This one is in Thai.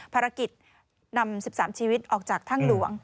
ภารกิจนำ๑๓ชีวิตออกจากถ้ำหลวง